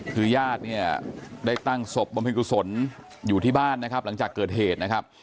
คือญาติเนี่ยได้ตั้งศพบำเพ็กกุศลอยู่ที่บ้านนะครับหลังจากเกิดเหตุนะครับ